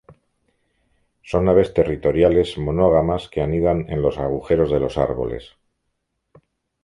Son aves territoriales monógamas que anidan en los agujeros de los árboles.